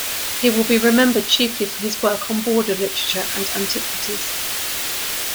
He will be remembered chiefly for his work on Border literature and antiquities.